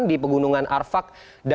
ini ada tiga